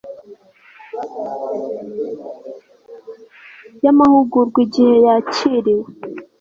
y amahugurwa igihe yakiriwe